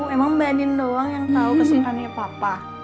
emang mbak adin doang yang tahu kesukaannya papa